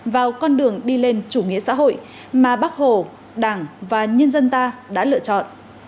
vào con đường đi lên chủ nghĩa xã hội mà bác hồ đảng và nhân dân ta đã lựa chọn